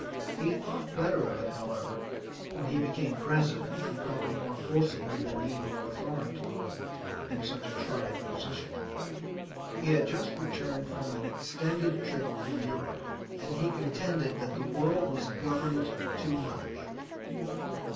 He thought better of it, however, when he became President and felt more forcibly the need of authority in such a trying position. He had just returned from an extended trip through Europe, and he contended that the world was governed too much.